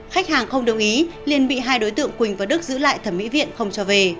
khách hàng không đồng ý liên bị hai đối tượng quỳnh và đức giữ lại thẩm mỹ viện không cho về